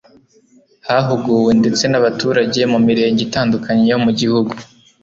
hahuguwe ndetse n'abaturage mu mirenge itanduknaye yo mu gihugu